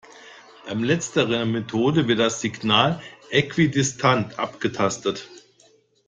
Bei letzterer Methode wird das Signal äquidistant abgetastet.